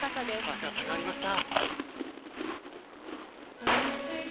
高さがありました。